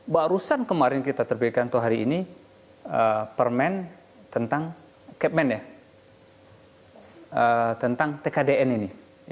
barusan kemarin kita terbikin atau hari ini permen tentang tkdn ini